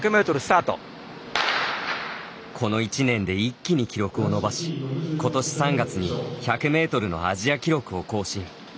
この１年で一気に記録を伸ばしことし３月に１００ｍのアジア記録を更新。